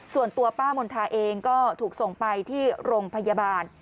ส่วนตัวป้ามณฑาเองก็ถูกส่งไปที่โรงพยาบาล